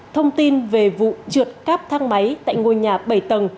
thông tin về vụ trượt các thang máy tại ngôi nhà bảy tầng